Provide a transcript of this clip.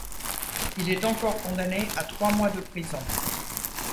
Il est encore condamné à trois mois de prison.